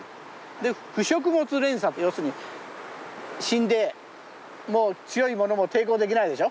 で腐食物連鎖って要するに死んでもう強い者も抵抗できないでしょ。